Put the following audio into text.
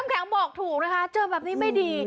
แข็งบอกถูกนะคะเจอแบบนี้ไม่ดี